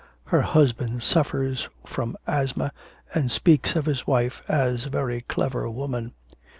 Her husband suffers from asthma, and speaks of his wife as a very clever woman.